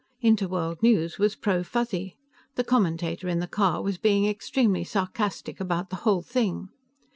Interworld News was pro Fuzzy; the commentator in the car was being extremely sarcastic about the whole thing.